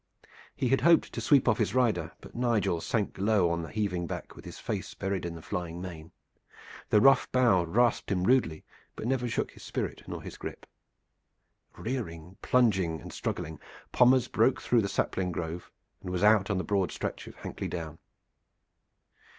He had hoped to sweep off his rider, but Nigel sank low on the heaving back with his face buried in the flying mane. The rough bough rasped him rudely, but never shook his spirit nor his grip. Rearing, plunging and struggling, Pommers broke through the sapling grove and was out on the broad stretch of Hankley Down.